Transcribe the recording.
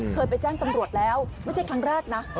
เคยไปแจ้งตำรวจแล้วไม่ใช่ครั้งแรกนะ